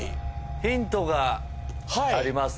ヒントがあります